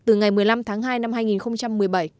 từ ngày một mươi năm tháng hai năm hai nghìn một mươi bảy